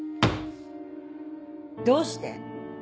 どうして？